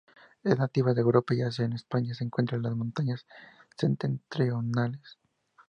Es nativa de Europa y Asia, en España se encuentra en las montañas septentrionales.